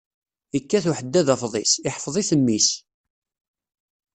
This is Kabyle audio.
Ikkat uḥeddad afḍis, iḥfeḍ-it mmi-s.